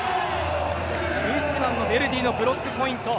１１番のベルディのブロックポイント。